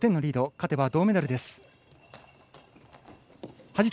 勝てば銅メダルです。